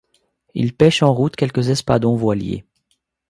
Il pêche en route quelques espadons voiliers.